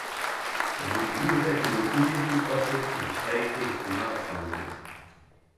We moeten nieuwe technologieën toepassen in de strijd tegen de klimaatverandering.